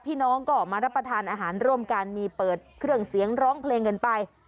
น้องก็มารับประทานอาหารร่วมกันมีเปิดเครื่องเสียงร้องเพลงกันไป